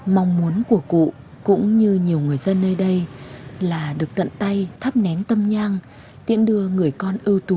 mong muốn của cụ cũng như nhiều người dân nơi đây là được tận tay thắp nén tâm nhang tiện đưa người con ưu tú của quê hương